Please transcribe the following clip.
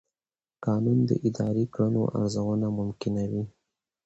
قانون د اداري کړنو ارزونه ممکنوي.